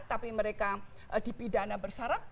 tapi mereka dipidana bersarat